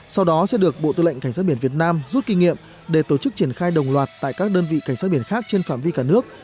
sau đó sẽ được bộ tư lệnh cảnh sát biển việt nam rút kinh nghiệm để tổ chức triển khai đồng loạt tại các đơn vị cảnh sát biển khác trên phạm vi cả nước